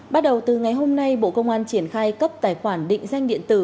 bắt đầu từ ngày hôm nay bộ công an triển khai cấp tài khoản định danh điện tử